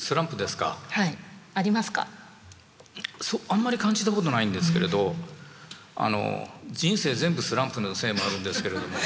あんまり感じたことないんですけれどあの人生全部スランプのせいもあるんですけれども。